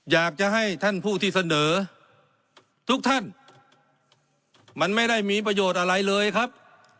อยากจะให้ท่านผู้ที่เสนอทุกท่านมันไม่ได้มีประโยชน์อะไรเลยครับ